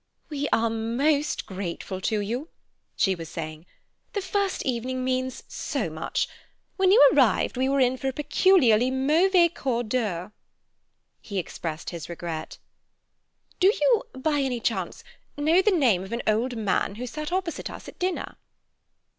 "We are most grateful to you," she was saying. "The first evening means so much. When you arrived we were in for a peculiarly mauvais quart d'heure." He expressed his regret. "Do you, by any chance, know the name of an old man who sat opposite us at dinner?"